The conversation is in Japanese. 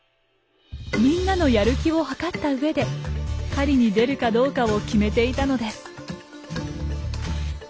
みんなのやる気をはかった上で狩りに出るかどうかを決めていたのです。